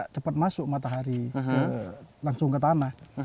cepat masuk matahari langsung ke tanah